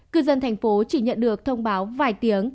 cư dân thành phố chỉ nhận được thông báo vài tiếng